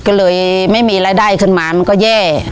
ก็เลยไม่มีรายได้ขึ้นมามันก็แย่